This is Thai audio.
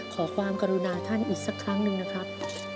ขอความกรุณาท่านอีกสักครั้งหนึ่งนะครับ